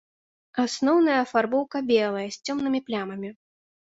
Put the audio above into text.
Асноўная афарбоўка белая з цёмнымі плямамі.